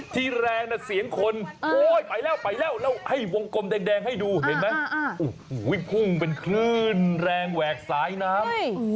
ที่แรงน่ะเสียงคนโอ๊ยไปแล้วไปแล้วให้วงกลมแดงให้ดูเห็นไหมโอ้โหพุ่งเป็นคลื่นแรงแหวกสายน้ำ